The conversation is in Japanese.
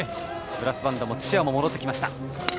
ブラスバンドもチアも戻ってきました。